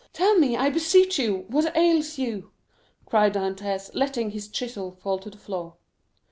"Tell me, I beseech you, what ails you?" cried Dantès, letting his chisel fall to the floor.